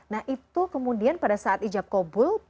nah itu kemudian pada saat ijab kobul